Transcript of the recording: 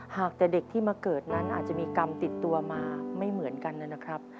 หากแต่เด็กที่มาเกิดนั้นอาจจะมีกรรมติดตัวมาไม่เหมือนกันนะครับ